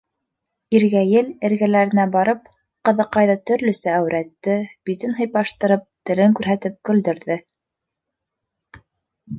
Иргәйел, эргәләренә барып, ҡыҙыҡайҙы төрлөсә әүрәтте, битен һыйпаштырып, телен күрһәтеп көлдөрҙө.